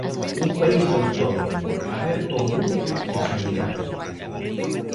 Un País autónomo, aberto ao mundo e solidario.